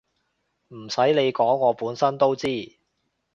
唔使你講我本身都知